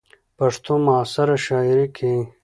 ،پښتو معاصره شاعرۍ کې